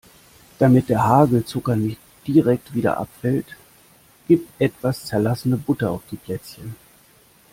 Damit der Hagelzucker nicht direkt wieder abfällt, gib etwas zerlassene Butter auf die Plätzchen.